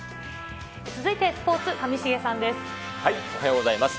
続いてスポーツ、上重さんでおはようございます。